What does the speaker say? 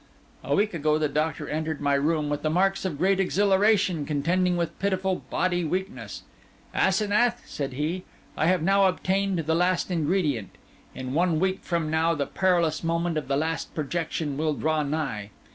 A week ago the doctor entered my room with the marks of great exhilaration contending with pitiful bodily weakness. 'Asenath,' said he, 'I have now obtained the last ingredient. In one week from now the perilous moment of the last projection will draw nigh.